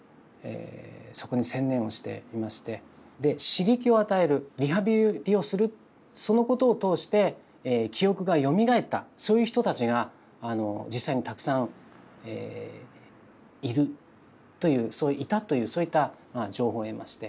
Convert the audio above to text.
そこに専念をしていましてで刺激を与えるリハビリをするそのことを通して記憶がよみがえったそういう人たちが実際にたくさんいるといういたというそういった情報を得まして。